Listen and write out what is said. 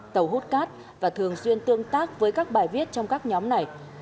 tàu hút cát và thường xuyên tương tác với các bài viết trong các nhóm này